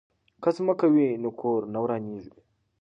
که ځمکه وي نو کور نه ورانیږي.